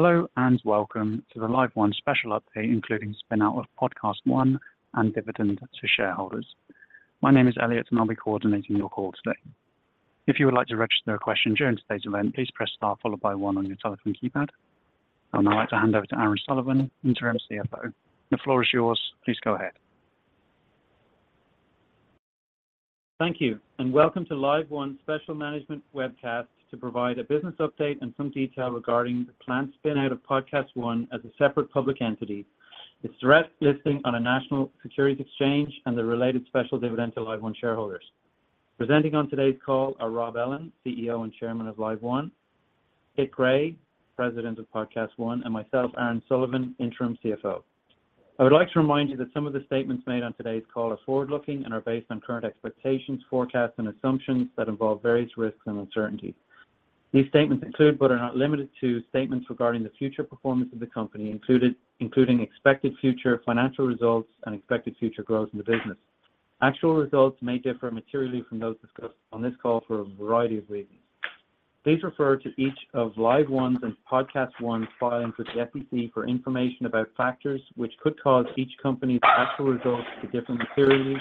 Hello, welcome to the LiveOne special update, including spinout of PodcastOne and dividend to shareholders. My name is Elliot, and I'll be coordinating your call today. If you would like to register a question during today's event, please press star followed by One on your telephone keypad. I'd now like to hand over to Aaron Sullivan, Interim CFO. The floor is yours. Please go ahead. Thank you. Welcome to LiveOne Special Management Webcast to provide a business update and some detail regarding the planned spinout of PodcastOne as a separate public entity, its direct listing on a national securities exchange, and the related special dividend to LiveOne shareholders. Presenting on today's call are Rob Ellin, CEO and Chairman of LiveOne; Kit Gray, President of PodcastOne; and myself, Aaron Sullivan, Interim CFO. I would like to remind you that some of the statements made on today's call are forward-looking and are based on current expectations, forecasts, and assumptions that involve various risks and uncertainties. These statements include, but are not limited to, statements regarding the future performance of the company, including expected future financial results and expected future growth in the business. Actual results may differ materially from those discussed on this call for a variety of reasons. Please refer to each of LiveOne's and PodcastOne's filings with the SEC for information about factors which could cause each company's actual results to differ materially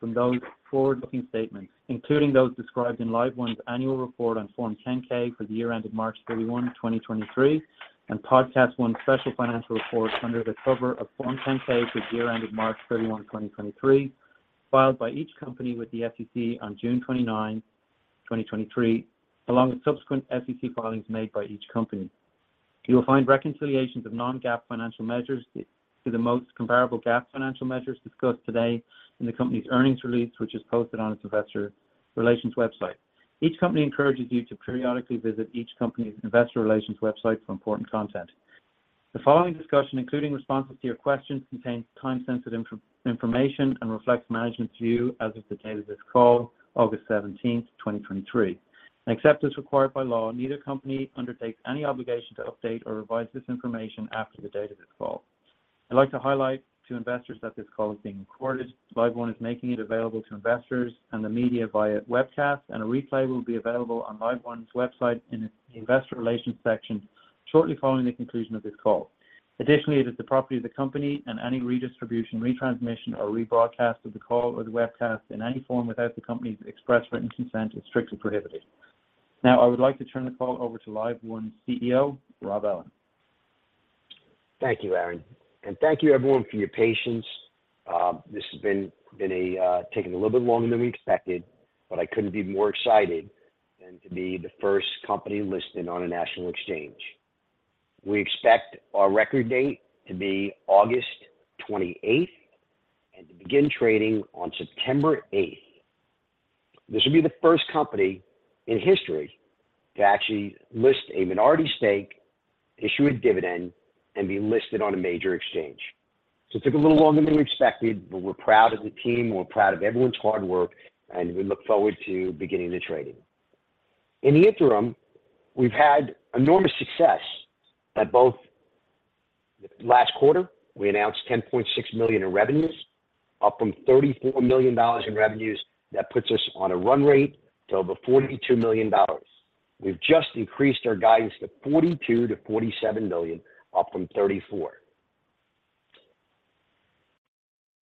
from those forward-looking statements, including those described in LiveOne's annual report on Form 10-K for the year ended March 31, 2023, and PodcastOne's special financial report under the cover of Form 10-K for the year ended March 31, 2023, filed by each company with the SEC on June 29, 2023, along with subsequent SEC filings made by each company. You will find reconciliations of non-GAAP financial measures to the most comparable GAAP financial measures discussed today in the company's earnings release, which is posted on its investor relations website. Each company encourages you to periodically visit each company's investor relations website for important content. The following discussion, including responses to your questions, contains time-sensitive information and reflects management's view as of the date of this call, August 17, 2023. Except as required by law, neither company undertakes any obligation to update or revise this information after the date of this call. I'd like to highlight to investors that this call is being recorded. LiveOne is making it available to investors and the media via webcast, and a replay will be available on LiveOne's website in its Investor Relations section shortly following the conclusion of this call. Additionally, it is the property of the company, and any redistribution, retransmission, or rebroadcast of the call or the webcast in any form without the company's express written consent is strictly prohibited. Now, I would like to turn the call over to LiveOne's CEO, Rob Ellin. Thank you, Aaron, thank you everyone for your patience. This has been taken a little bit longer than we expected, but I couldn't be more excited than to be the first company listed on a national exchange. We expect our record date to be August 28th and to begin trading on September 8th. This will be the first company in history to actually list a minority stake, issue a dividend, and be listed on a major exchange. It took a little longer than we expected, but we're proud of the team, we're proud of everyone's hard work, and we look forward to beginning the trading. In the interim, we've had enormous success at both... Last quarter, we announced $10.6 million in revenues, up from $34 million in revenues. That puts us on a run rate to over $42 million. We've just increased our guidance to $42 million-$47 million, up from $34 million.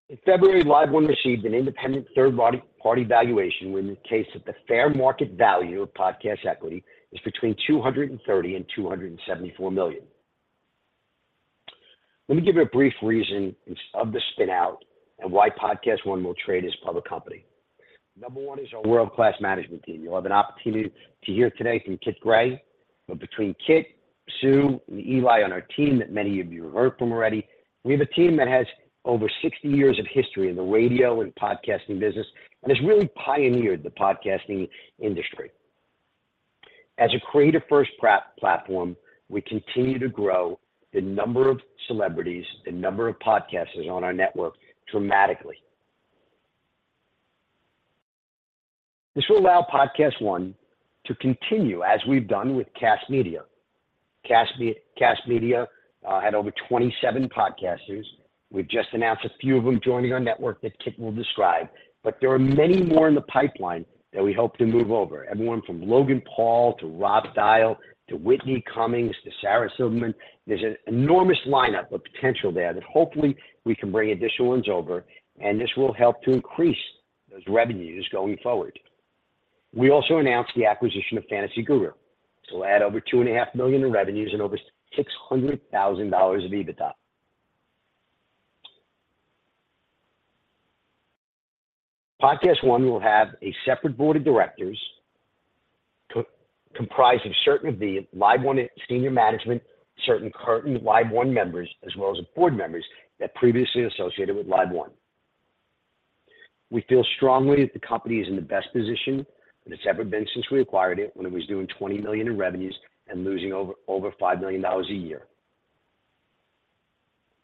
In February, LiveOne received an independent third-party evaluation, where in the case that the fair market value of Podcast equity is between $230 million and $274 million. Let me give you a brief reason of the spinout and why PodcastOne will trade as a public company. Number one is our world-class management team. You'll have an opportunity to hear today from Kit Gray, between Kit, Sue, and Eli on our team that many of you have heard from already, we have a team that has over 60 years of history in the radio and podcasting business and has really pioneered the podcasting industry. As a creator-first platform, we continue to grow the number of celebrities, the number of podcasters on our network dramatically. This will allow PodcastOne to continue, as we've done with Kast Media. Kast Media had over 27 podcasters. We've just announced a few of them joining our network that Kit will describe. There are many more in the pipeline that we hope to move over, everyone from Logan Paul to Rob Dial to Whitney Cummings to Sarah Silverman. There's an enormous lineup of potential there that hopefully we can bring additional ones over. This will help to increase those revenues going forward. We also announced the acquisition of Fantasy Guru. This will add over $2.5 million in revenues and over $600,000 of EBITDA. PodcastOne will have a separate board of directors comprised of certain of the LiveOne senior management, certain current LiveOne members, as well as board members that previously associated with LiveOne. We feel strongly that the company is in the best position that it's ever been since we acquired it, when it was doing $20 million in revenues and losing over $5 million a year.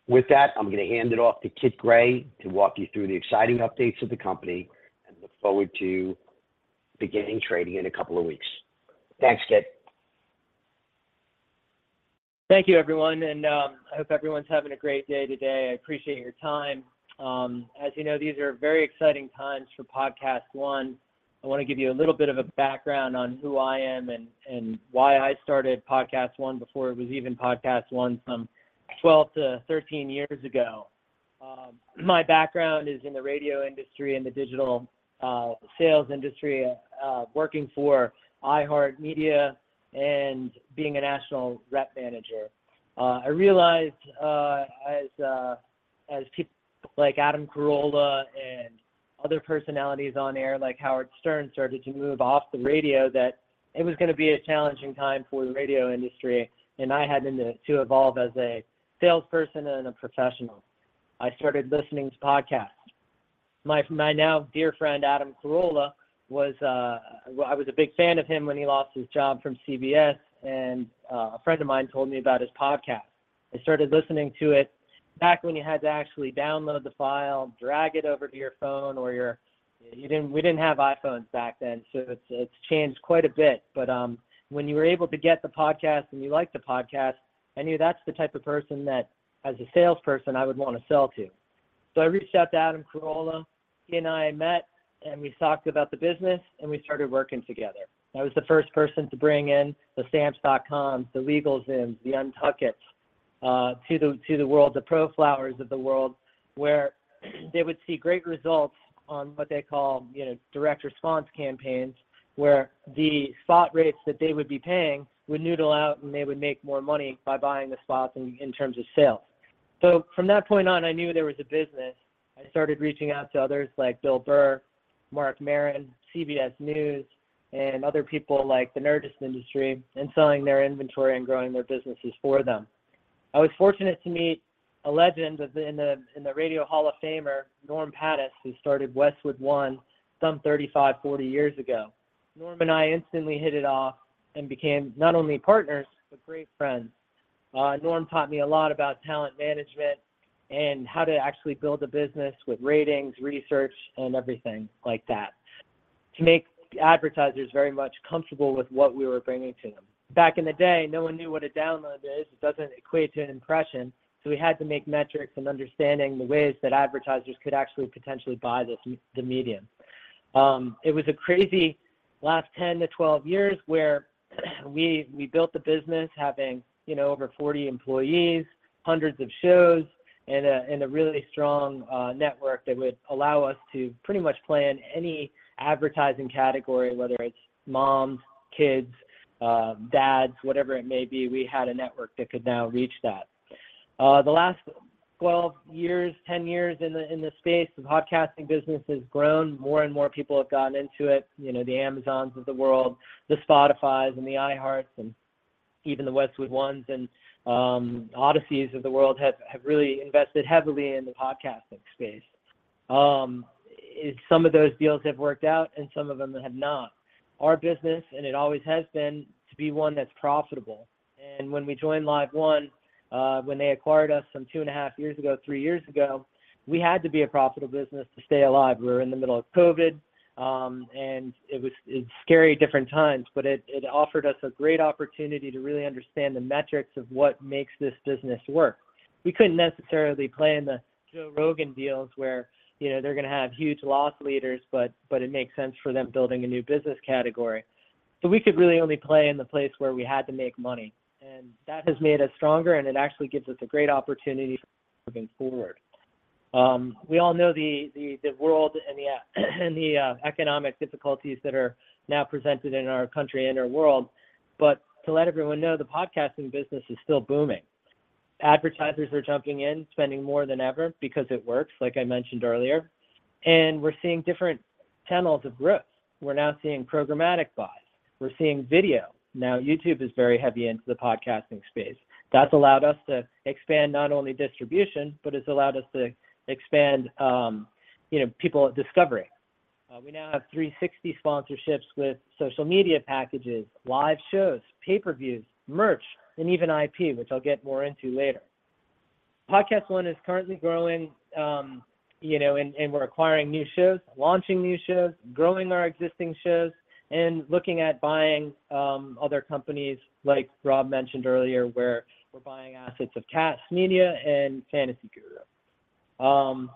With that, I'm gonna hand it off to Kit Gray to walk you through the exciting updates of the company and look forward to beginning trading in a couple of weeks. Thanks, Kit. Thank you, everyone, and I hope everyone's having a great day today. I appreciate your time. As you know, these are very exciting times for PodcastOne.... I want to give you a little bit of a background on who I am and, and why I started PodcastOne before it was even PodcastOne, some 12 to 13 years ago. My background is in the radio industry and the digital sales industry, working for iHeartMedia and being a national rep manager. I realized as people like Adam Carolla and other personalities on air, like Howard Stern, started to move off the radio, that it was gonna be a challenging time for the radio industry, and I had to, to evolve as a salesperson and a professional. I started listening to podcasts. My, my now dear friend, Adam Carolla, was... Well, I was a big fan of him when he lost his job from CBS, and a friend of mine told me about his podcast. I started listening to it back when you had to actually download the file, drag it over to your phone or your- we didn't, we didn't have iPhones back then, so it's, it's changed quite a bit. When you were able to get the podcast and you liked the podcast, I knew that's the type of person that, as a salesperson, I would want to sell to. I reached out to Adam Carolla. He and I met, and we talked about the business, and we started working together. I was the first person to bring in the Stamps.com, the LegalZoom, the Untuckits, to the, to the world, the ProFlowers of the world, where they would see great results on what they call, you know, direct response campaigns, where the spot rates that they would be paying would noodle out, and they would make more money by buying the spots in, in terms of sales. From that point on, I knew there was a business. I started reaching out to others like Bill Burr, Marc Maron, CBS News, and other people like the Nerdist Industries, and selling their inventory and growing their businesses for them. I was fortunate to meet a legend of the... in the, in the Radio Hall of Famer, Norm Pattiz, who started Westwood One some 35, 40 years ago. Norm and I instantly hit it off and became not only partners, but great friends. Norm taught me a lot about talent management and how to actually build a business with ratings, research, and everything like that, to make advertisers very much comfortable with what we were bringing to them. Back in the day, no one knew what a download is. It doesn't equate to an impression, so we had to make metrics and understanding the ways that advertisers could actually potentially buy this, the medium. It was a crazy last 10-12 years, where we, we built the business having, you know, over 40 employees, hundreds of shows, and a, and a really strong network that would allow us to pretty much plan any advertising category, whether it's moms, kids, dads, whatever it may be, we had a network that could now reach that. The last 12 years, 10 years in the, in this space, the podcasting business has grown. More and more people have gotten into it, you know, the Amazons of the world, the Spotifys and the iHearts, and even the Westwood One and Audacy of the world have, have really invested heavily in the podcasting space. Some of those deals have worked out, some of them have not. Our business, it always has been, to be one that's profitable. When we joined LiveOne, when they acquired us some 2.5 years ago, 3 years ago, we had to be a profitable business to stay alive. We were in the middle of COVID, it's scary, different times, but it, it offered us a great opportunity to really understand the metrics of what makes this business work. We couldn't necessarily play in the Joe Rogan deals, where, you know, they're gonna have huge loss leaders, but, but it makes sense for them building a new business category. We could really only play in the place where we had to make money, and that has made us stronger, and it actually gives us a great opportunity moving forward. We all know the, the, the world and the, and the economic difficulties that are now presented in our country and our world. To let everyone know, the podcasting business is still booming. Advertisers are jumping in, spending more than ever because it works, like I mentioned earlier, and we're seeing different channels of growth. We're now seeing programmatic buys. We're seeing video. YouTube is very heavy into the podcasting space. That's allowed us to expand not only distribution, but it's allowed us to expand, you know, people discovering. We now have 360 sponsorships with social media packages, live shows, pay-per-views, merch, and even IP, which I'll get more into later. PodcastOne is currently growing, you know, and we're acquiring new shows, launching new shows, growing our existing shows, and looking at buying other companies, like Rob mentioned earlier, where we're buying assets of Kast Media and Fantasy Guru.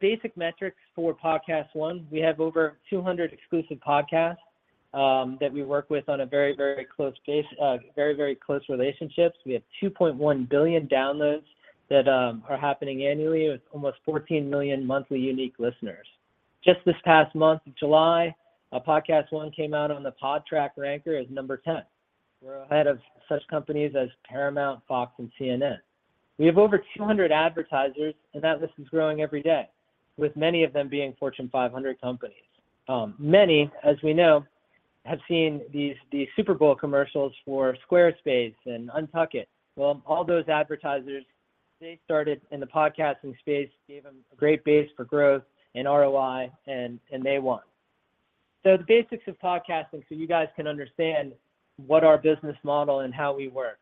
Basic metrics for PodcastOne, we have over 200 exclusive podcasts that we work with on a very, very close relationships. We have 2.1 billion downloads that are happening annually, with almost 14 million monthly unique listeners. Just this past month of July, PodcastOne came out on the Podtrac ranker as number 10. We're ahead of such companies as Paramount, Fox, and CNN. We have over 200 advertisers, that list is growing every day, with many of them being Fortune 500 companies. Many, as we know, have seen these, these Super Bowl commercials for Squarespace and Untuckit. Well, all those advertisers, they started in the podcasting space, gave them a great base for growth and ROI, and, and they won. The basics of podcasting, so you guys can understand what our business model and how we work.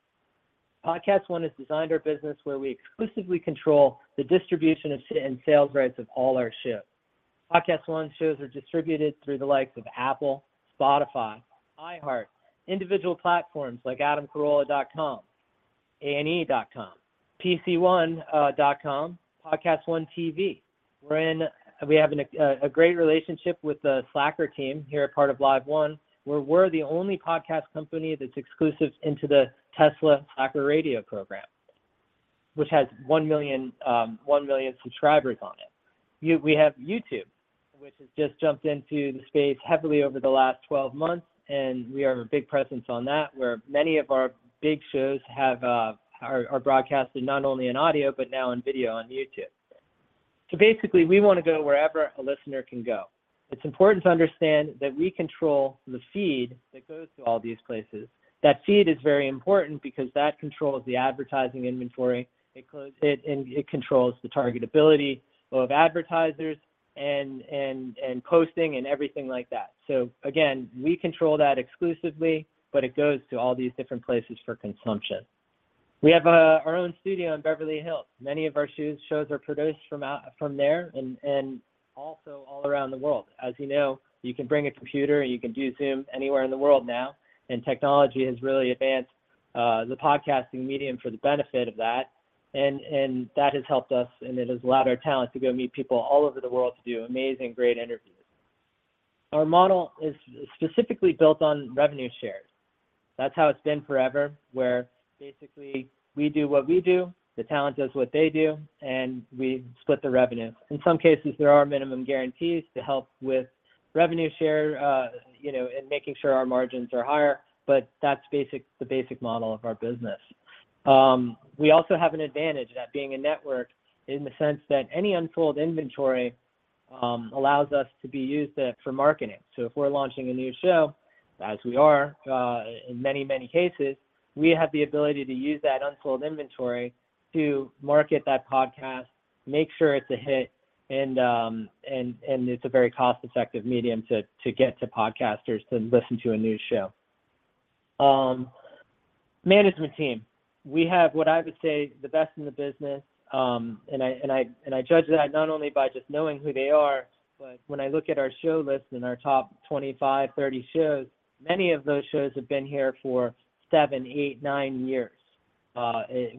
PodcastOne has designed our business where we exclusively control the distribution and sales rights of all our shows. PodcastOne shows are distributed through the likes of Apple, Spotify, iHeartMedia, individual platforms like adamcarolla.com.... A&E.com, PodcastOne dot com, PodcastOne TV. We have a great relationship with the Slacker team here at part of LiveOne, where we're the only podcast company that's exclusive into the Tesla Slacker Radio program, which has 1 million subscribers on it. We have YouTube, which has just jumped into the space heavily over the last 12 months, and we have a big presence on that, where many of our big shows are broadcasted not only in audio, but now on video on YouTube. Basically, we wanna go wherever a listener can go. It's important to understand that we control the feed that goes to all these places. That feed is very important because that controls the advertising inventory, it, and it controls the targetability of advertisers and posting and everything like that. Again, we control that exclusively, but it goes to all these different places for consumption. We have our own studio in Beverly Hills. Many of our shows are produced from there, and also all around the world. As you know, you can bring a computer and you can do Zoom anywhere in the world now, and technology has really advanced the podcasting medium for the benefit of that, and that has helped us, and it has allowed our talent to go meet people all over the world to do amazing, great interviews. Our model is specifically built on revenue shares. That's how it's been forever, where basically we do what we do, the talent does what they do, and we split the revenue. In some cases, there are minimum guarantees to help with revenue share, you know, and making sure our margins are higher, but that's basic the basic model of our business. We also have an advantage at being a network in the sense that any unsold inventory allows us to be used for marketing. If we're launching a new show, as we are, in many, many cases, we have the ability to use that unsold inventory to market that podcast, make sure it's a hit, and, and it's a very cost-effective medium to get to podcasters to listen to a new show. Management team, we have, what I would say, the best in the business, and I judge that not only by just knowing who they are, but when I look at our show list and our top 25, 30 shows, many of those shows have been here for 7, 8, 9 years.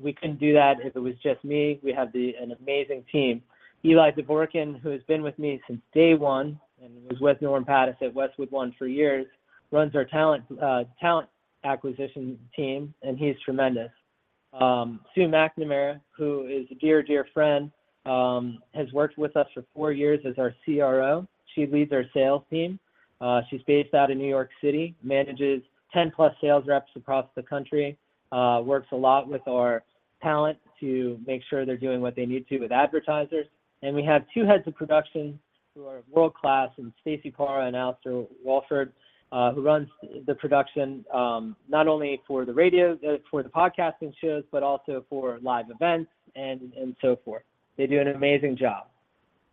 we couldn't do that if it was just me. We have the, an amazing team. Eli Dvorkin, who has been with me since day one, and was with Norman Pattiz at Westwood One for years, runs our talent, talent acquisition team, and he's tremendous. Sue McNamara, who is a dear, dear friend, has worked with us for 4 years as our CRO. She leads our sales team. She's based out of New York City, manages 10 plus sales reps across the country, works a lot with our talent to make sure they're doing what they need to with advertisers. We have two heads of production who are world-class, in Stacey Parra and Alistair Walford, who runs the production, not only for the radio, for the podcasting shows, but also for live events and, and so forth. They do an amazing job.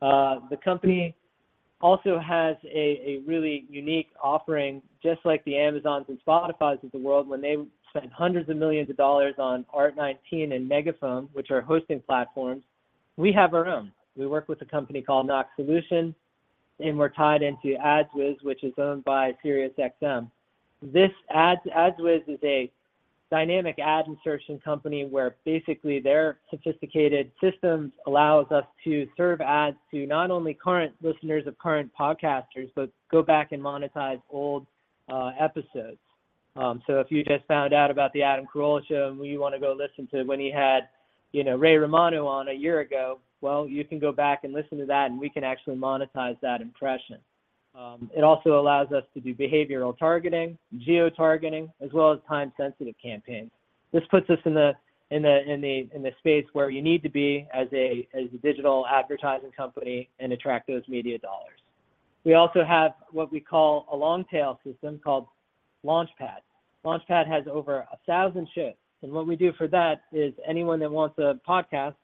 The company also has a really unique offering, just like the Amazons and Spotifys of the world when they spend hundreds of millions of dollars on Art19 and Megaphone, which are hosting platforms, we have our own. We work with a company called Nox Solutions, and we're tied into AdsWizz, which is owned by Sirius XM. This AdsWizz is a dynamic ad insertion company, where basically their sophisticated systems allows us to serve ads to not only current listeners of current podcasters, but go back and monetize old episodes. If you just found out about The Adam Carolla Show, and you wanna go listen to when he had, you know, Ray Romano on 1 year ago, well, you can go back and listen to that, and we can actually monetize that impression. It also allows us to do behavioral targeting, geotargeting, as well as time-sensitive campaigns. This puts us in the space where you need to be as a digital advertising company and attract those media dollars. We also have what we call a long tail system called LaunchPad. LaunchPad has over 1,000 shows. What we do for that is anyone that wants a podcast,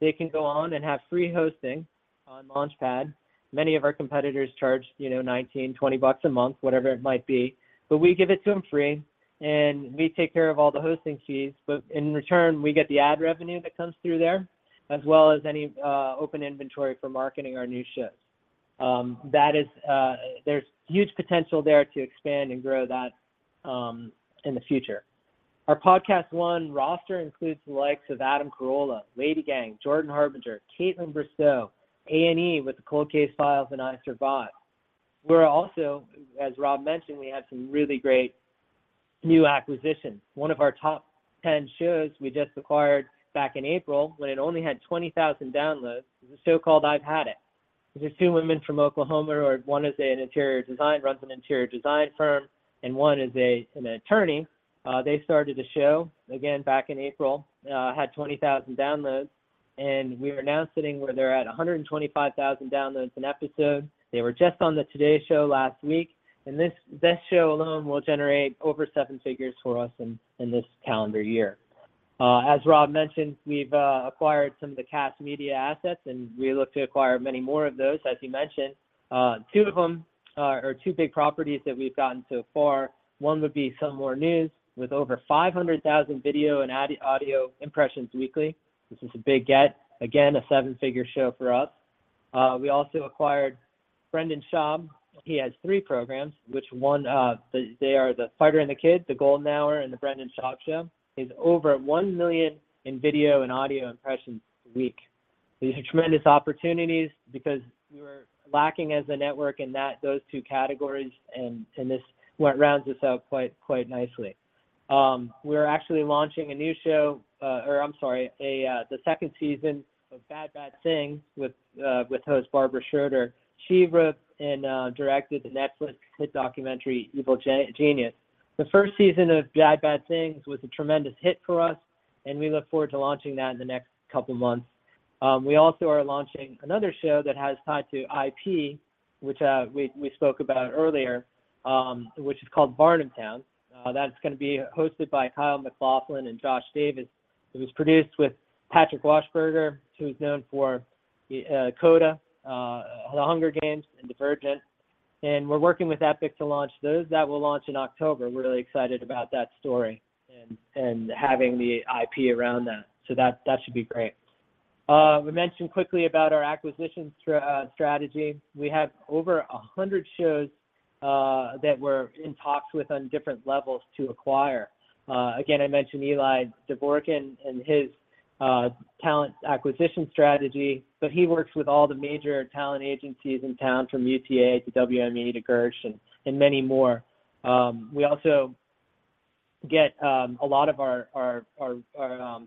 they can go on and have free hosting on LaunchPad. Many of our competitors charge, you know, $19-$20 a month, whatever it might be, but we give it to them free, and we take care of all the hosting fees. In return, we get the ad revenue that comes through there, as well as any open inventory for marketing our new shows. That is. There's huge potential there to expand and grow that in the future. Our PodcastOne roster includes the likes of Adam Carolla, LadyGang, Jordan Harbinger, Kaitlyn Bristowe, A&E with the Cold Case Files and I Survived. We're also, as Rob mentioned, we have some really great new acquisitions. One of our top 10 shows we just acquired back in April when it only had 20,000 downloads, is a show called I've Had It. These are two women from Oklahoma, or one is an interior design- runs an interior design firm, and one is a an attorney. They started a show, again, back in April, had 20,000 downloads, we are now sitting where they're at 125,000 downloads an episode. They were just on the Today Show last week, this, this show alone will generate over seven figures for us in, in this calendar year. As Rob mentioned, we've acquired some of the Kast Media assets, we look to acquire many more of those, as he mentioned. Two of them, or, or two big properties that we've gotten so far, one would be Some More News, with over 500,000 video and audio impressions weekly. This is a big get. Again, a $7-figure show for us. We also acquired Brendan Schaub. He has three programs, which one, they, they are The Fighter and the Kid, The Golden Hour, and The Brendan Schaub Show. He's over 1 million in video and audio impressions a week. These are tremendous opportunities because we were lacking as a network in that, those two categories, and, and this is what rounds us out quite, quite nicely. We're actually launching a new show, or I'm sorry, a, the second season of Bad Bad Thing with, with host Barbara Schroeder. She wrote and directed the Netflix hit documentary, Evil Genius. The first season of Bad Bad Thing was a tremendous hit for us, we look forward to launching that in the next couple months. We also are launching another show that has tied to IP, which we spoke about earlier, which is called Varnamtown. That's gonna be hosted by Kyle MacLachlan and Joshua Davis. It was produced with Patrick Wachsberger, who's known for CODA, The Hunger Games, and Divergent. We're working with Epic to launch those. That will launch in October. We're really excited about that story and, and having the IP around that, so that, that should be great. We mentioned quickly about our acquisition strategy. We have over 100 shows that we're in talks with on different levels to acquire. Again, I mentioned Eli Dvorkin and his talent acquisition strategy. He works with all the major talent agencies in town, from UTA to WME to Gersh and many more. We also get a lot of our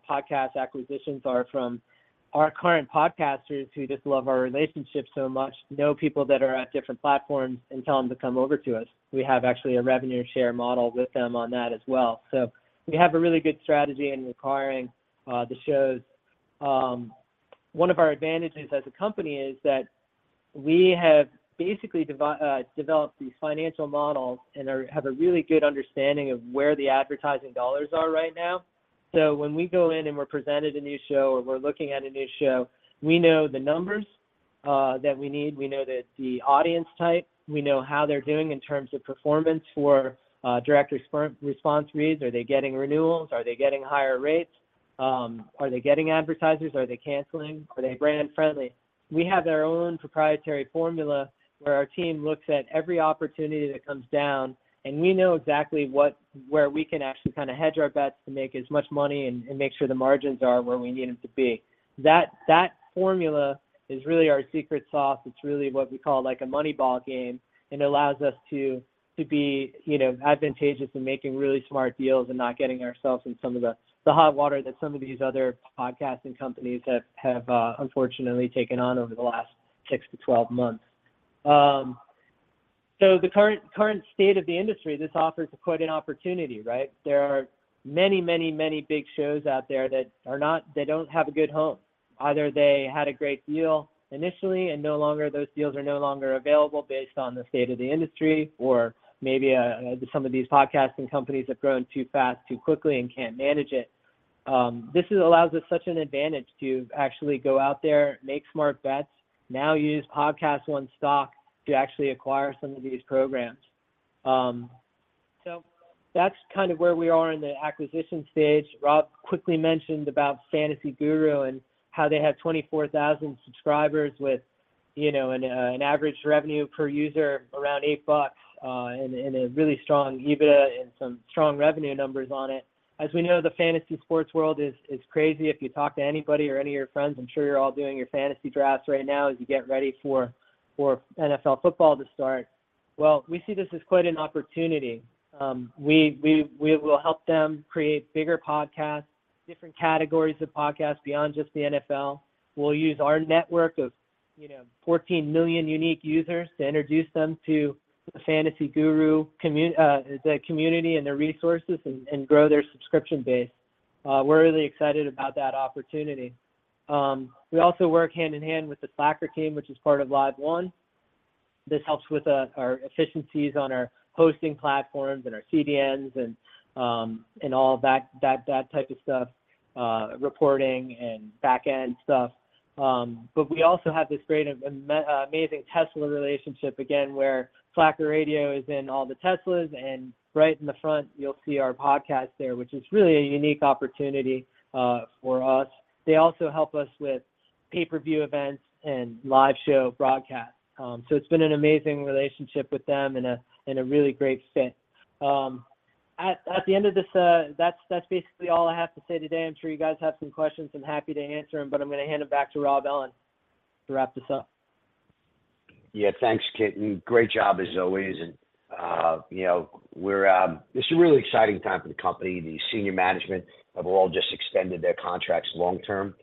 podcast acquisitions are from our current podcasters who just love our relationship so much, know people that are at different platforms, and tell them to come over to us. We have actually a revenue share model with them on that as well. We have a really good strategy in acquiring the shows. One of our advantages as a company is that we have basically developed these financial models and have a really good understanding of where the advertising dollars are right now. When we go in and we're presented a new show or we're looking at a new show, we know the numbers that we need. We know that the audience type, we know how they're doing in terms of performance for direct response rates. Are they getting renewals? Are they getting higher rates? Are they getting advertisers? Are they canceling? Are they brand-friendly? We have our own proprietary formula, where our team looks at every opportunity that comes down, and we know exactly what, where we can actually kind of hedge our bets to make as much money and, and make sure the margins are where we need them to be. That, that formula is really our secret sauce. It's really what we call, like, a Moneyball game and allows us to, to be, you know, advantageous in making really smart deals and not getting ourselves in some of the, the hot water that some of these other podcasting companies have, have, unfortunately taken on over the last 6-12 months. The current, current state of the industry, this offers quite an opportunity, right? There are many, many, many big shows out there that are not- they don't have a good home. Either they had a great deal initially, and no longer, those deals are no longer available based on the state of the industry, or maybe, some of these podcasting companies have grown too fast, too quickly and can't manage it. This allows us such an advantage to actually go out there, make smart bets, now use PodcastOne stock to actually acquire some of these programs. That's kind of where we are in the acquisition stage. Rob quickly mentioned about Fantasy Guru and how they have 24,000 subscribers with, you know, an average revenue per user around $8, and a really strong EBITDA and some strong revenue numbers on it. As we know, the fantasy sports world is, is crazy. If you talk to anybody or any of your friends, I'm sure you're all doing your fantasy drafts right now as you get ready for, for NFL football to start. Well, we see this as quite an opportunity. We will help them create bigger podcasts, different categories of podcasts beyond just the NFL. We'll use our network of, you know, 14 million unique users to introduce them to the Fantasy Guru community and their resources and grow their subscription base. We're really excited about that opportunity. We also work hand in hand with the Slacker team, which is part of LiveOne. This helps with our efficiencies on our hosting platforms and our CDNs and all that type of stuff, reporting and back-end stuff. We also have this great amazing Tesla relationship again, where Slacker Radio is in all the Teslas, and right in the front, you'll see our podcast there, which is really a unique opportunity for us. They also help us with pay-per-view events and live show broadcasts. It's been an amazing relationship with them and a, and a really great fit. At, at the end of this, that's, that's basically all I have to say today. I'm sure you guys have some questions. I'm happy to answer them, but I'm gonna hand it back to Rob Ellin to wrap this up. Yeah, thanks, Kit, great job as always. You know, we're. This is a really exciting time for the company. The senior management have all just extended their contracts long term.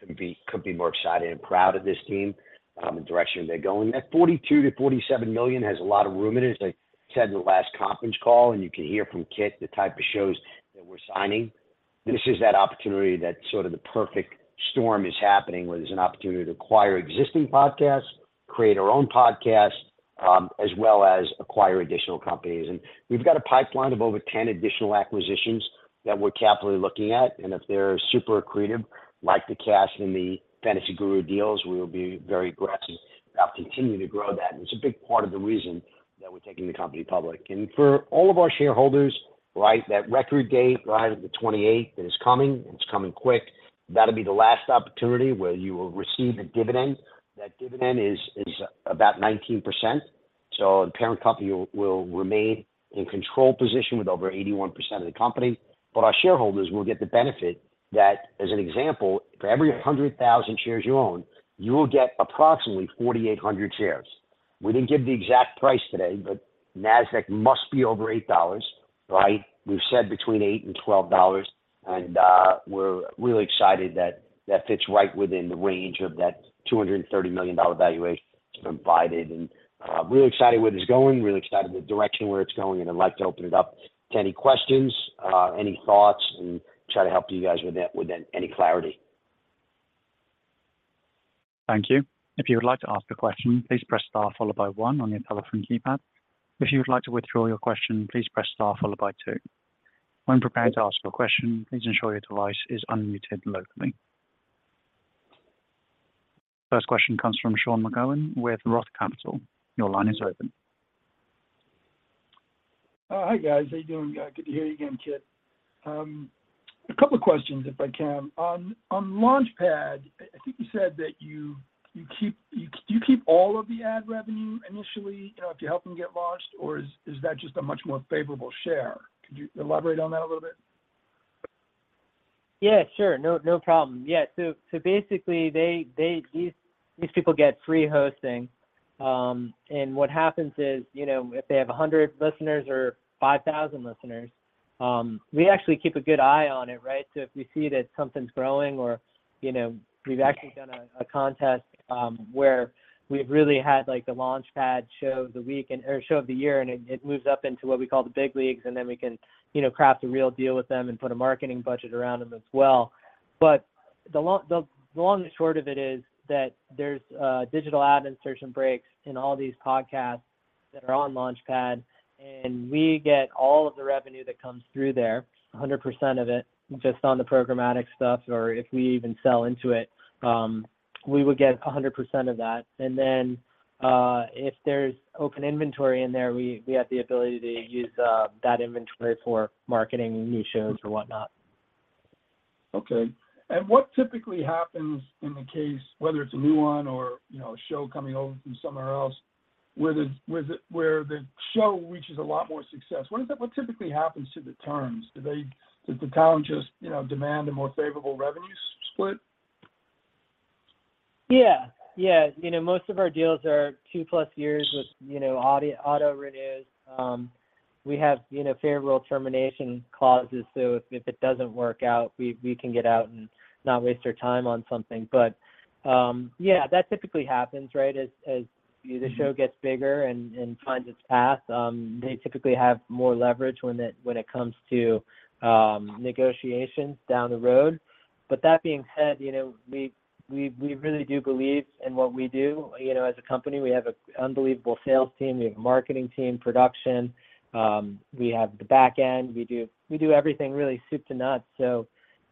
Couldn't be, couldn't be more excited and proud of this team and the direction they're going. That $42 million-$47 million has a lot of room in it, as I said in the last conference call, and you can hear from Kit the type of shows that we're signing. This is that opportunity that sort of the perfect storm is happening, where there's an opportunity to acquire existing podcasts, create our own podcasts, as well as acquire additional companies. We've got a pipeline of over 10 additional acquisitions that we're carefully looking at, and if they're super accretive, like the cash in the Fantasy Guru deals, we will be very aggressive-... continue to grow that, it's a big part of the reason that we're taking the company public. For all of our shareholders, that record date, the twenty-eighth, it is coming, and it's coming quick. That'll be the last opportunity where you will receive a dividend. That dividend is about 19%, so the parent company will remain in control position with over 81% of the company. Our shareholders will get the benefit that, as an example, for every 100,000 shares you own, you will get approximately 4,800 shares. We didn't give the exact price today, but Nasdaq must be over $8, right? We've said between $8 and $12, and we're really excited that that fits right within the range of that $230 million valuation provided, and really excited where it's going, really excited the direction where it's going, and I'd like to open it up to any questions, any thoughts, and try to help you guys with that, with any clarity. Thank you. If you would like to ask a question, please press star followed by one on your telephone keypad. If you would like to withdraw your question, please press star followed by two. When preparing to ask a question, please ensure your device is unmuted locally. First question comes from Sean McGowan with Roth Capital. Your line is open. Hi, guys. How you doing? Good to hear you again, Kit. A couple of questions, if I can. On LaunchPad, I think you said that do you keep all of the ad revenue initially, you know, if you help them get launched, or is that just a much more favorable share? Could you elaborate on that a little bit? Yeah, sure. No, no problem. Yeah, so, so basically, they, they, these, these people get free hosting, and what happens is, you know, if they have 100 listeners or 5,000 listeners, we actually keep a good eye on it, right? If we see that something's growing or, you know, we've actually done a, a contest, where we've really had, like, the LaunchPad show of the week or show of the year, and it, it moves up into what we call the big leagues, and then we can, you know, craft a real deal with them and put a marketing budget around them as well. The long, the long and short of it is that there's digital ad insertion breaks in all these podcasts that are on LaunchPad, and we get all of the revenue that comes through there, 100% of it, just on the programmatic stuff, or if we even sell into it, we would get 100% of that. If there's open inventory in there, we, we have the ability to use that inventory for marketing new shows or whatnot. Okay. what typically happens in the case, whether it's a new one or, you know, a show coming over from somewhere else, where the show reaches a lot more success? What typically happens to the terms? does the talent just, you know, demand a more favorable revenue split? Yeah, yeah. You know, most of our deals are 2-plus years with, you know, auto, auto renews. We have, you know, favorable termination clauses, so if, if it doesn't work out, we, we can get out and not waste our time on something. Yeah, that typically happens, right? As, as the show gets bigger and, and finds its path, they typically have more leverage when it, when it comes to negotiations down the road. That being said, you know, we, we, we really do believe in what we do. You know, as a company, we have an unbelievable sales team, we have a marketing team, production, we have the back end. We do, we do everything really, soup to nuts.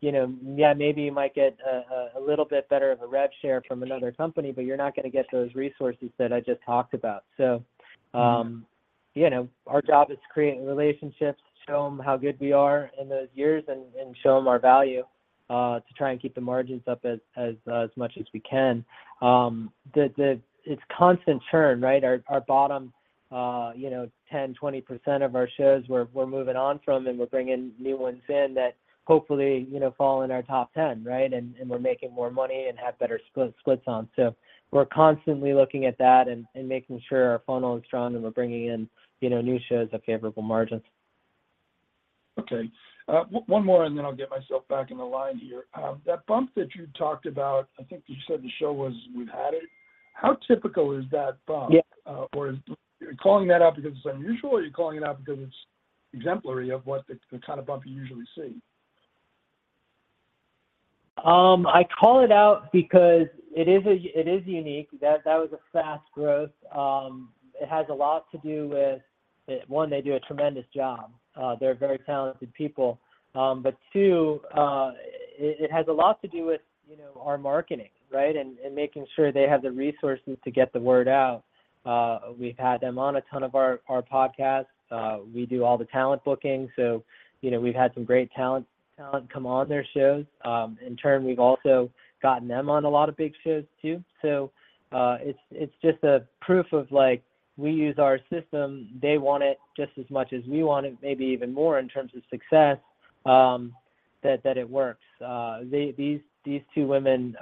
You know, yeah, maybe you might get a little bit better of a rev share from another company, but you're not gonna get those resources that I just talked about. Our job is to create relationships, show them how good we are in those years, and, and show them our value, to try and keep the margins up as, as, as much as we can. It's constant churn, right? Our, our bottom, you know, 10, 20% of our shows, we're, we're moving on from, and we're bringing new ones in that hopefully, you know, fall in our top 10, right? And we're making more money and have better splits, splits on. We're constantly looking at that and, and making sure our funnel is strong and we're bringing in, you know, new shows at favorable margins. Okay. one more, and then I'll get myself back in the line here. that bump that you talked about, I think you said the show was, We've Had It. How typical is that bump? Yeah. Are you calling that out because it's unusual, or you're calling it out because it's exemplary of what the, the kind of bump you usually see? I call it out because it is a-- it is unique. That, that was a fast growth. It has a lot to do with, one, they do a tremendous job. They're very talented people. Two, it, it has a lot to do with, you know, our marketing, right? Making sure they have the resources to get the word out. We've had them on a ton of our, our podcasts. We do all the talent booking, so, you know, we've had some great talent, talent come on their shows. In turn, we've also gotten them on a lot of big shows, too. It's, it's just a proof of, like, we use our system, they want it just as much as we want it, maybe even more in terms of success, that, that it works. They, these, these two women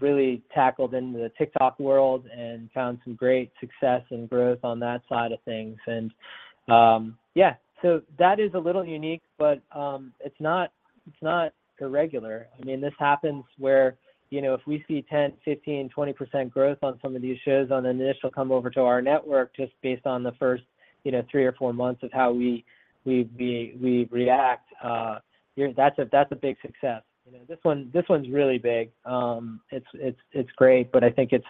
really tackled into the TikTok world and found some great success and growth on that side of things, and yeah. That is a little unique, but it's not, it's not irregular. I mean, this happens where, you know, if we see 10%, 15%, 20% growth on some of these shows on initial come over to our network, just based on the first, you know, 3 or 4 months of how we, we, we, we react here, that's a, that's a big success. You know, this one, this one's really big. It's, it's, it's great, but I think it's,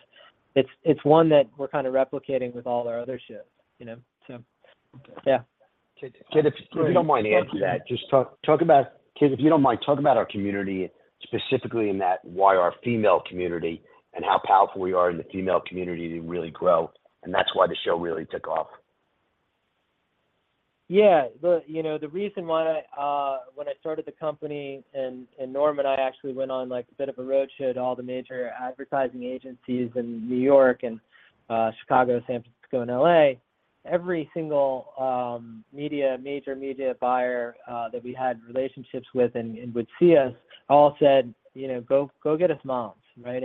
it's, it's one that we're kind of replicating with all our other shows, you know? Yeah. Kit, if you don't mind answering that, just talk, talk about, Kit, if you don't mind, talk about our community, specifically in that why our female community and how powerful we are in the female community to really grow, and that's why the show really took off. Yeah. Look, you know, the reason why I, when I started the company, Norm and I actually went on, like, a bit of a roadshow to all the major advertising agencies in New York and Chicago, San Francisco, and L.A. Every single media, major media buyer that we had relationships with and would see us all said, "You know, go, go get us moms," right?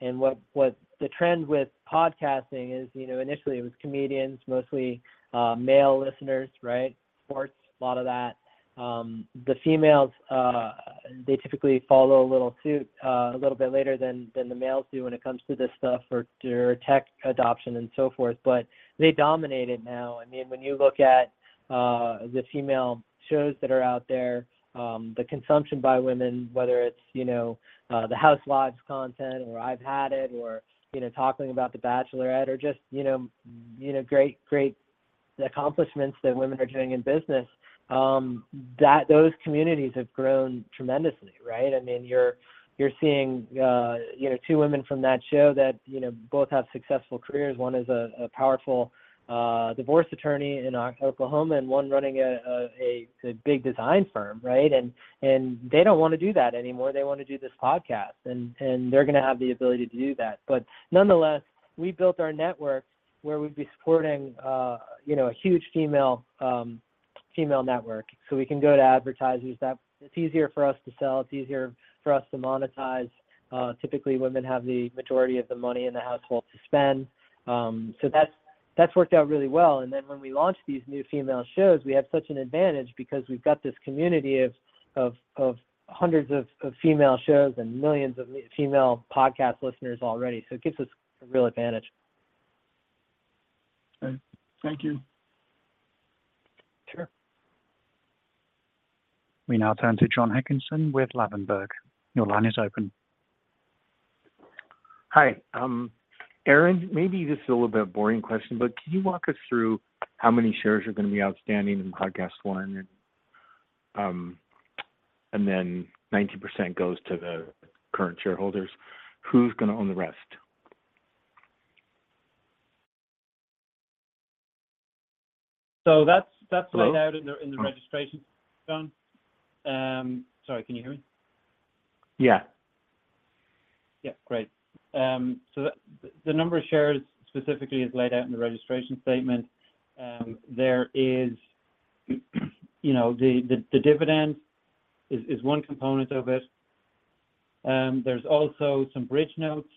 What, what the trend with podcasting is, you know, initially it was comedians, mostly male listeners, right? Sports, a lot of that. The females, they typically follow a little suit, a little bit later than the males do when it comes to this stuff for their tech adoption and so forth, but they dominate it now. I mean, when you look at the female shows that are out there, the consumption by women, whether it's, you know, The Housewives content, or I've Had It, or, you know, talking about The Bachelorette, or just, you know, great, great accomplishments that women are doing in business, that. Those communities have grown tremendously, right? I mean, you're, you're seeing, you know, two women from that show that, you know, both have successful careers. One is a powerful divorce attorney in Oklahoma, and one running a big design firm, right? They don't wanna do that anymore. They wanna do this podcast, and they're gonna have the ability to do that. Nonetheless, we built our network where we'd be supporting, you know, a huge female female network. We can go to advertisers that it's easier for us to sell, it's easier for us to monetize. Typically, women have the majority of the money in the household to spend. That's, that's worked out really well. Then when we launched these new female shows, we had such an advantage because we've got this community of, of, of hundreds of, of female shows and millions of female podcast listeners already, so it gives us a real advantage. Okay, thank you. Sure. We now turn to Jon Hickman with Ladenburg. Your line is open. Hi. Aaron, maybe this is a little bit boring question, but can you walk us through how many shares are gonna be outstanding in PodcastOne? Then 90% goes to the current shareholders. Who's gonna own the rest? That's. Hello? laid out in the, in the registration, Jon. Sorry, can you hear me? Yeah. Yeah, great. The, the number of shares specifically is laid out in the registration statement. There is, you know, the, the, the dividend is, is one component of it. There's also some bridge notes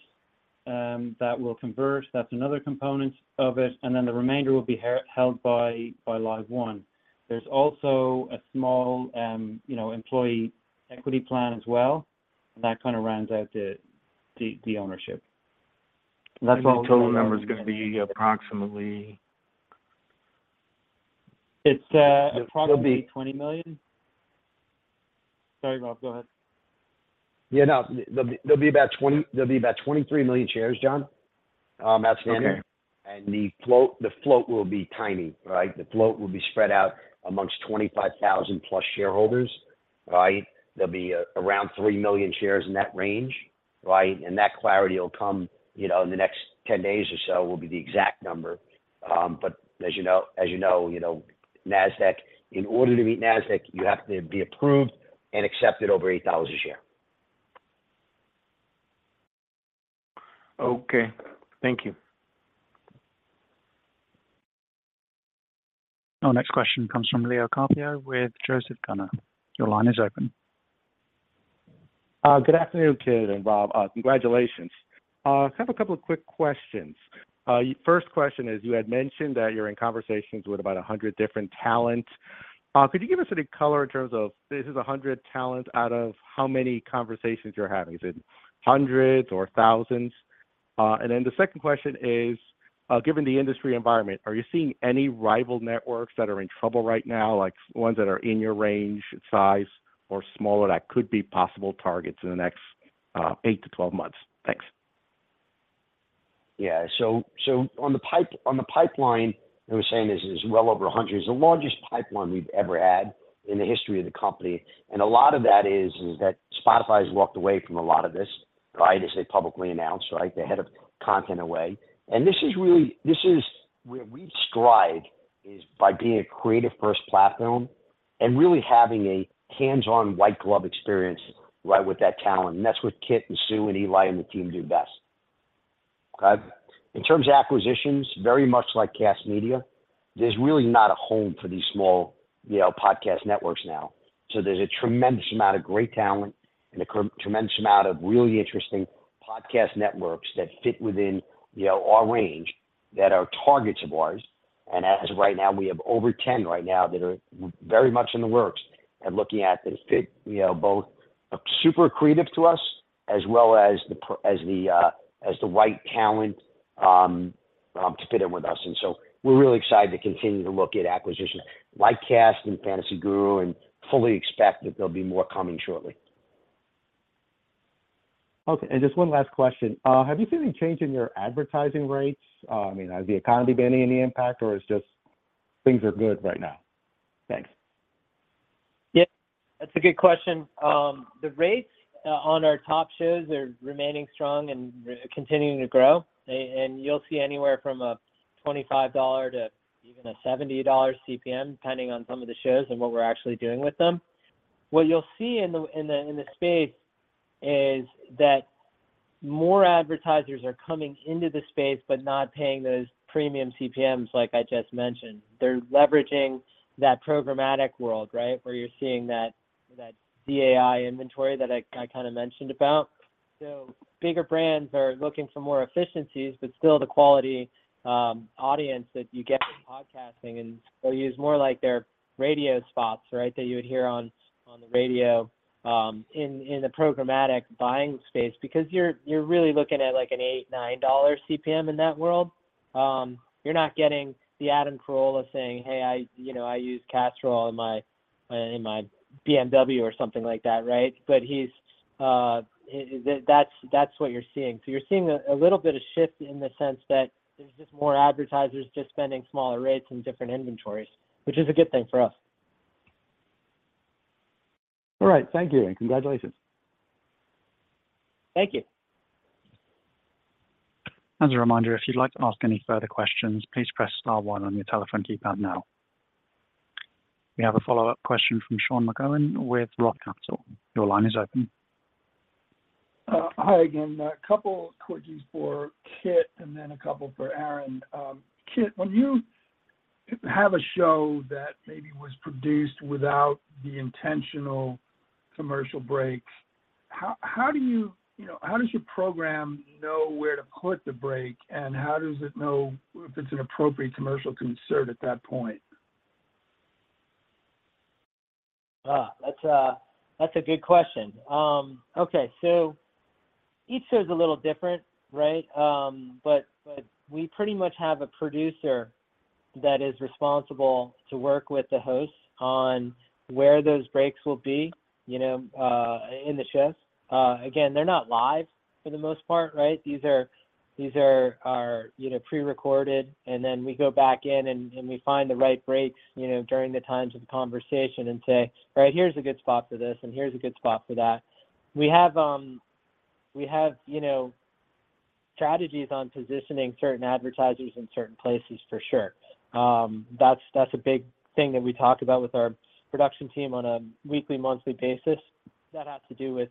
that will convert. That's another component of it, and then the remainder will be held by, by LiveOne. There's also a small, you know, employee equity plan as well, and that kind of rounds out the, the, the ownership. That's all total number is gonna be approximately? It's. It'll be- approximately $20 million. Sorry, Rob, go ahead. Yeah, no. There'll be about 23 million shares, Jon, outstanding. Okay. The float, the float will be tiny, right? The float will be spread out amongst 25,000+ shareholders, right? There'll be around 3 million shares in that range, right? That clarity will come, you know, in the next 10 days or so, will be the exact number. As you know, as you know, you know, Nasdaq, in order to meet Nasdaq, you have to be approved and accepted over $8 a share. Okay, thank you. Our next question comes from Leo Carpio with Joseph Gunnar. Your line is open. Good afternoon, Kit and Rob. Congratulations. I have a couple of quick questions. First question is, you had mentioned that you're in conversations with about 100 different talent. Could you give us any color in terms of this is 100 talent out of how many conversations you're having? Is it hundreds or thousands? The second question is, given the industry environment, are you seeing any rival networks that are in trouble right now, like ones that are in your range, size, or smaller, that could be possible targets in the next 8-12 months? Thanks. Yeah. On the pipeline, I was saying this is well over 100. It's the largest pipeline we've ever had in the history of the company, a lot of that is, is that Spotify's walked away from a lot of this, right? As they publicly announced, right, the head of content away. This is really, this is where we strive, is by being a creative-first platform and really having a hands-on, white glove experience, right, with that talent. That's what Kit, and Sue, and Eli, and the team do best. In terms of acquisitions, very much like Kast Media, there's really not a home for these small, you know, podcast networks now. There's a tremendous amount of great talent and a tremendous amount of really interesting podcast networks that fit within, you know, our range, that are targets of ours. As of right now, we have over 10 right now that are very much in the works and looking at that fit, you know, both super creative to us, as well as the as the right talent to fit in with us. We're really excited to continue to look at acquisition, like Kast and Fantasy Guru, and fully expect that there'll be more coming shortly. Okay, just one last question. Have you seen any change in your advertising rates? I mean, has the economy been any impact, or it's just things are good right now? Thanks. Yeah, that's a good question. The rates on our top shows are remaining strong and continuing to grow. You'll see anywhere from a $25 to even a $70 CPM, depending on some of the shows and what we're actually doing with them. What you'll see in the space is that more advertisers are coming into the space, but not paying those premium CPMs, like I just mentioned. They're leveraging that programmatic world, right? Where you're seeing that, that DAI inventory that I kinda mentioned about. Bigger brands are looking for more efficiencies, but still the quality audience that you get from podcasting, and they'll use more like their radio spots, right, that you would hear on the radio in the programmatic buying space. You're, you're really looking at, like, an $8-$9 CPM in that world. You're not getting the Adam Carolla saying, "Hey, I, you know, I use Castrol in my in my BMW," or something like that, right? He's that's, that's what you're seeing. You're seeing a, a little bit of shift in the sense that there's just more advertisers just spending smaller rates in different inventories, which is a good thing for us. All right. Thank you, and congratulations. Thank you. As a reminder, if you'd like to ask any further questions, please press star one on your telephone keypad now. We have a follow-up question from Sean McGowan with Roth Capital. Your line is open. Hi again. A couple quickies for Kit and then a couple for Aaron. Kit, when you have a show that maybe was produced without the intentional commercial breaks, how, how do you, you know, how does your program know where to put the break? How does it know if it's an appropriate commercial to insert at that point? That's a, that's a good question. Okay, each show's a little different, right? But we pretty much have a producer that is responsible to work with the hosts on where those breaks will be, you know, in the shows. Again, they're not live for the most part, right? These are, these are, you know, prerecorded, and then we go back in and, and we find the right breaks, you know, during the times of the conversation and say, "Right, here's a good spot for this, and here's a good spot for that." We have, we have, you know, strategies on positioning certain advertisers in certain places for sure. That's, that's a big thing that we talk about with our production team on a weekly, monthly basis. That has to do with,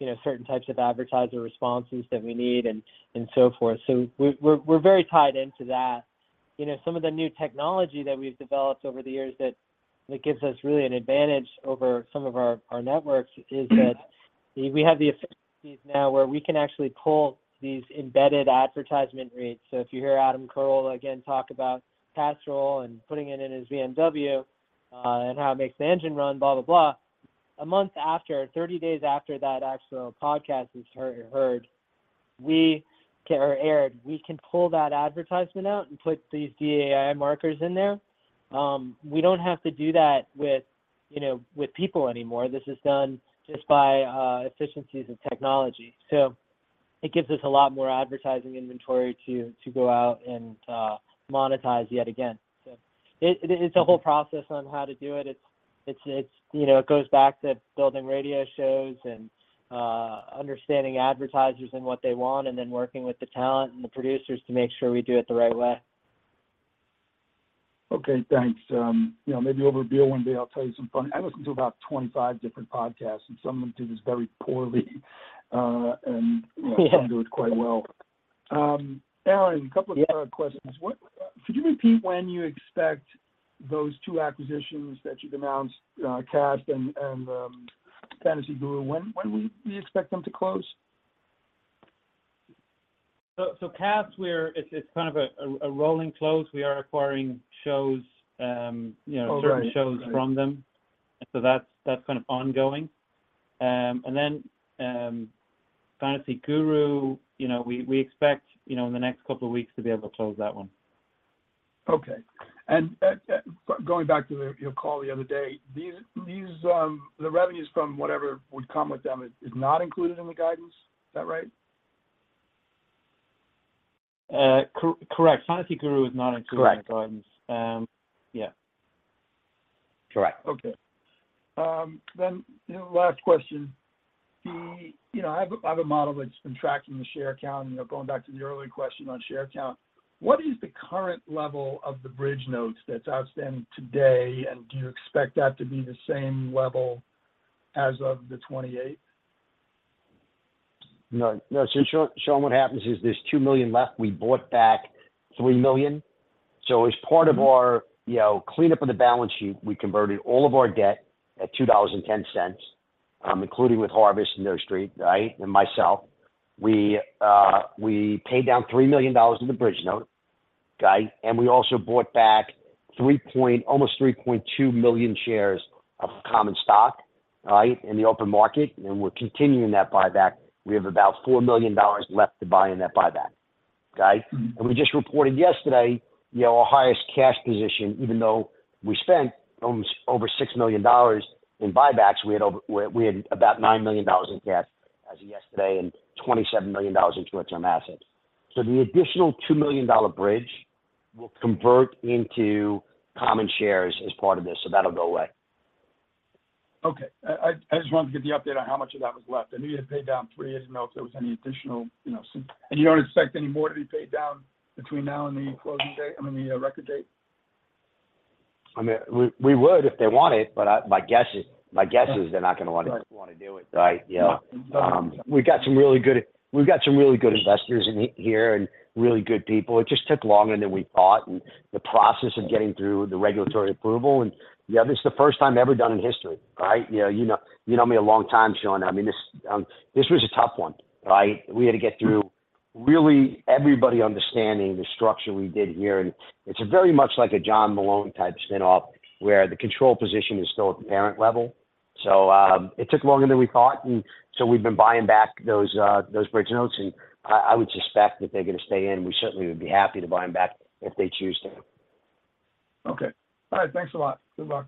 you know, certain types of advertiser responses that we need and, and so forth. We're, we're, we're very tied into that. You know, some of the new technology that we've developed over the years that, that gives us really an advantage over some of our, our networks is that we have the efficiencies now where we can actually pull these embedded advertisement rates. If you hear Adam Carolla again talk about Castrol and putting it in his BMW, and how it makes the engine run, blah, blah, blah, a month after, 30 days after that actual podcast is heard, or aired, we can pull that advertisement out and put these DAI markers in there. We don't have to do that with, you know, with people anymore. This is done just by efficiencies of technology. It gives us a lot more advertising inventory to, to go out and monetize yet again. It, it's a whole process on how to do it. It's, it's, it's-- you know, it goes back to building radio shows and understanding advertisers and what they want, and then working with the talent and the producers to make sure we do it the right way. Okay, thanks. You know, maybe over a beer one day, I'll tell you some funny... I listen to about 25 different podcasts, and some of them do this very poorly. Yeah some do it quite well. Aaron. Yeah. a couple of other questions. What, could you repeat when you expect those two acquisitions that you've announced, Kast and, and, Fantasy Guru, when, when do we expect them to close? Cast, it's kind of a rolling close. We are acquiring shows, you know... Oh, right.... certain shows from them. That's, that's kind of ongoing. And then, Fantasy Guru, you know, we, we expect, you know, in the next couple of weeks to be able to close that one. Okay. Going back to your call the other day, these, these, the revenues from whatever would come with them is, is not included in the guidance. Is that right? correct. Fantasy Guru is not included- Correct in the guidance. Yeah. Correct. Okay. Last question. The, you know, I have a, I have a model that's been tracking the share count, you know, going back to the earlier question on share count. What is the current level of the bridge notes that's outstanding today, and do you expect that to be the same level as of the 28th? No. No, Sean, Sean, what happens is there's $2 million left. We bought back $3 million. As part of our, you know, cleanup of the balance sheet, we converted all of our debt at $2.10, including with Harvest and NorthStrive, right? Myself. We paid down $3 million in the bridge note, right? We also bought back almost 3.2 million shares of common stock, right, in the open market, and we're continuing that buyback. We have about $4 million left to buy in that buyback. Right? We just reported yesterday, you know, our highest cash position, even though we spent almost over $6 million in buybacks, we had about $9 million in cash as of yesterday, and $27 million in short-term assets. So the additional $2 million bridge will convert into common shares as part of this, so that'll go away. Okay. I, I, I just wanted to get the update on how much of that was left. I knew you had paid down 3 years ago, if there was any additional, you know, since... You don't expect any more to be paid down between now and the closing date, I mean, the record date? I mean, we, we would if they wanted, but my guess is, my guess is they're not going to want to do it, right? Yeah. Um. We've got some really good, we've got some really good investors in here and really good people. It just took longer than we thought, and the process of getting through the regulatory approval, and, yeah, this is the first time ever done in history, right? You've known me a long time, Sean. I mean, this was a tough one, right? We had to get through really everybody understanding the structure we did here, and it's very much like a John Malone type spin-off, where the control position is still at the parent level. It took longer than we thought, and so we've been buying back those bridge notes, and I, I would suspect that they're going to stay in. We certainly would be happy to buy them back if they choose to. Okay. All right, thanks a lot. Good luck.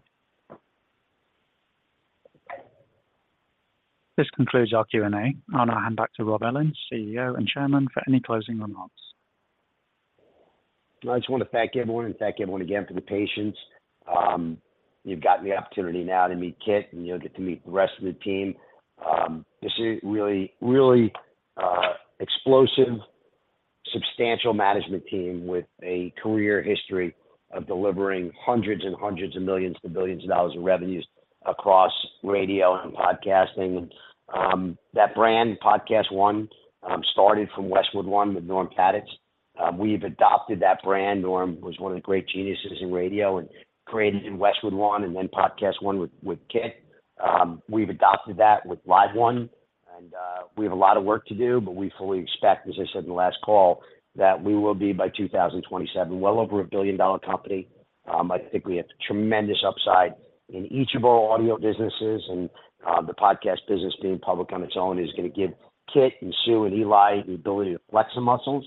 This concludes our Q&A. I'll now hand back to Robert Ellin, CEO and Chairman, for any closing remarks. I just want to thank everyone, and thank everyone again for the patience. You've gotten the opportunity now to meet Kit, and you'll get to meet the rest of the team. This is really, really explosive, substantial management team with a career history of delivering hundreds of millions to billions of dollars in revenues across radio and podcasting. That brand, PodcastOne, started from Westwood One with Norm Pattiz. We've adopted that brand. Norm was one of the great geniuses in radio and created in Westwood One and then PodcastOne with, with Kit. We've adopted that with LiveOne, and we have a lot of work to do, but we fully expect, as I said in the last call, that we will be, by 2027, well over a billion-dollar company. I think we have tremendous upside in each of our audio businesses, the podcast business being public on its own is going to give Kit and Sue and Eli the ability to flex some muscles,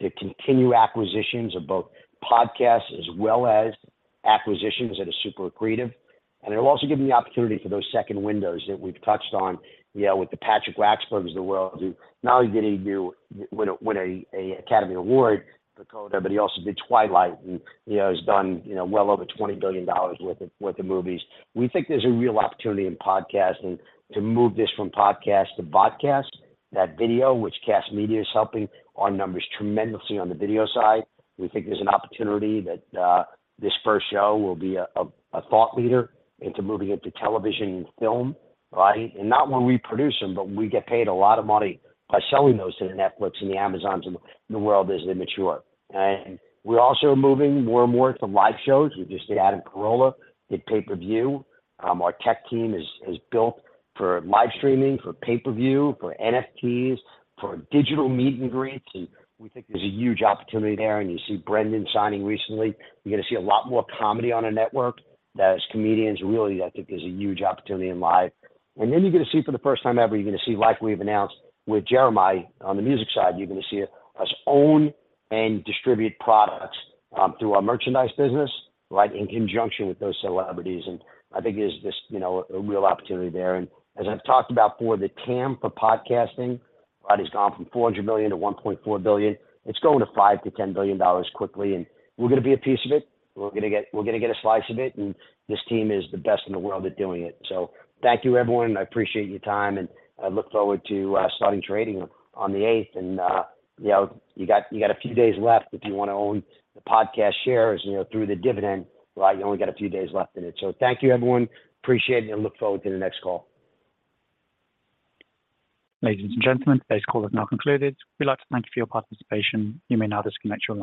to continue acquisitions of both podcasts as well as acquisitions that are super accretive. It'll also give them the opportunity for those second windows that we've touched on, you know, with the Patrick Wachsberger of the world, who not only did he win an Academy Award for CODA, but he also did Twilight, and, you know, he's done, you know, well over $20 billion worth of, with the movies. We think there's a real opportunity in podcasting to move this from podcast to podcast. That video, which Kast Media is helping, our number is tremendously on the video side. We think there's an opportunity that this first show will be a, a, a thought leader into moving into television and film, right? Not when we produce them, but we get paid a lot of money by selling those to the Netflix and the Amazons and the world as they mature. We're also moving more and more to live shows. We just had Adam Carolla did pay-per-view. Our tech team is, is built for live streaming, for pay-per-view, for NFTs, for digital meet and greets. We think there's a huge opportunity there, and you see Brendan signing recently. You're gonna see a lot more comedy on our network. As comedians, really, I think there's a huge opportunity in live. Then you're gonna see, for the first time ever, you're gonna see, like we've announced with Jeremih on the music side, you're gonna see us own and distribute products through our merchandise business, right, in conjunction with those celebrities. I think there's just, you know, a real opportunity there. As I've talked about before, the TAM for podcasting, right, has gone from $400 million to $1.4 billion. It's going to $5 billion-$10 billion quickly, and we're gonna be a piece of it. We're gonna get, we're gonna get a slice of it, and this team is the best in the world at doing it. Thank you, everyone. I appreciate your time, and I look forward to starting trading on, on the 8th. You know, you got, you got a few days left if you want to own the podcast shares, you know, through the dividend, right? You only got a few days left in it. Thank you, everyone. Appreciate it, and look forward to the next call. Ladies and gentlemen, today's call has now concluded. We'd like to thank you for your participation. You may now disconnect your line.